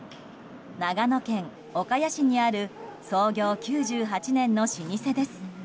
長野県岡谷市にある創業９８年の老舗です。